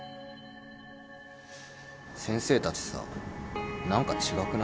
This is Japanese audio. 先生たちさ何か違くない？